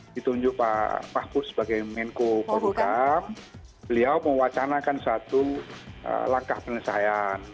ditunjuk pak mahfud sebagai menko polhukam beliau mewacanakan satu langkah penyelesaian